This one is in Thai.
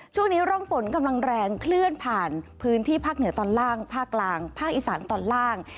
ช่วงนี้ร่องฝนกำลังแรงเคลื่อนผ่านพื้นที่ภาคเหนือตอนล่างภาคกลางภาคอีสานตอนล่าง